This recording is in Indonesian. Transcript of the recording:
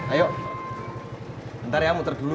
ayo ntar ya muter dulu